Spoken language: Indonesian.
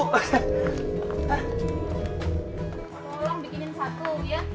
tolong bikinin satu ya